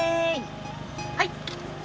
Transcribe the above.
はい。